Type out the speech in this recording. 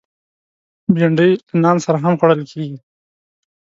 بېنډۍ له نان سره هم خوړل کېږي